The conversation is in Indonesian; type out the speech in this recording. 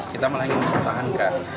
kita malah ingin menahankan